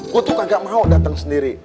gua tuh kagak mau dateng sendiri